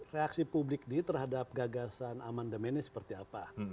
reaksi publik di terhadap gagasan emendemennya seperti apa